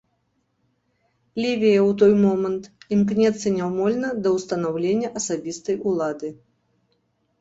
Лівія ў той момант імкнецца няўмольна да ўстанаўлення асабістай улады.